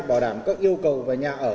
bảo đảm các yêu cầu về nhà ở